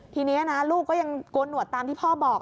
ทีนี้นะลูกก็ยังโกนหนวดตามที่พ่อบอก